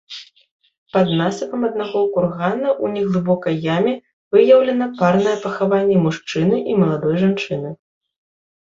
Пад насыпам аднаго кургана ў неглыбокай яме выяўлена парнае пахаванне мужчыны і маладой жанчыны.